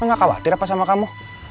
kau tak khawatir apa sama kamu